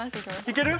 いける？